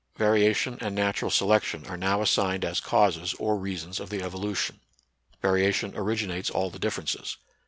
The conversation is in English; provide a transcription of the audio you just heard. Variation and natural selection are now assigned as causes or reasons of the evolu tion. Variation originates all the differences.